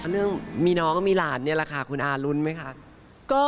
เรื่องมีน้องมีหลานนี่แหละค่ะคุณอารุ้นไหมคะ